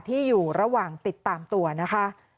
ที่อยู่ระหว่างติดตามตัวนะคะ